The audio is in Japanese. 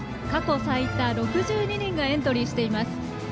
過去最多、６２人がエントリーしています。